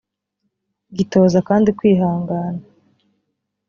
gitoza kandi kwihangana